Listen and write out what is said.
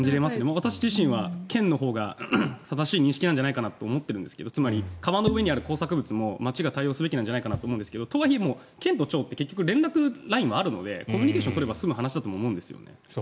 私自身は県のほうが正しい認識ではと思っているんですが川の上にある工作物も町が対応すべきじゃないかと思うんですがとはいえ、県と町って結局、連絡ラインもあるのでコミュニケーションを取れば済む話だと思うんです。